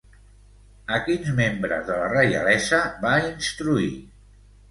A quins membres de la reialesa va instruir?